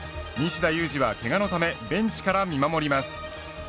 西田有志はけがのためベンチから見守ります。